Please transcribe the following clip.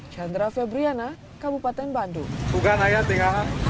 chandra febriana kabupaten bandung